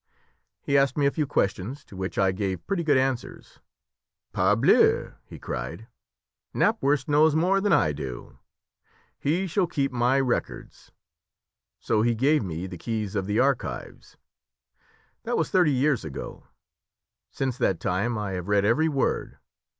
He asked me a few questions, to which I gave pretty good answers. 'Parbleu!' he cried, 'Knapwurst knows more than I do; he shall keep my records.' So he gave me the keys of the archives; that was thirty years ago. Since that time I have read every word.